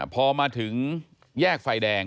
พอมาถึงแยกไฟแดง